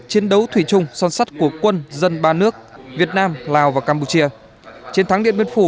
chiến đấu thủy chung son sắt của quân dân ba nước việt nam lào và campuchia chiến thắng điện biên phủ